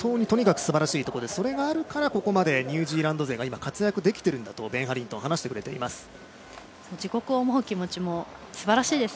本当にとにかくすばらしいところでそれがあるからここまでニュージーランド勢が活躍できるんだとベン・ハリントン、話しています。